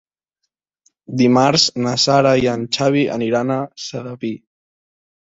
Dimarts na Sara i en Xavi aniran a Sedaví.